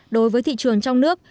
đối với thị trường trong nước